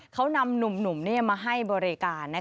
เขานำหนุ่มมาให้บริการ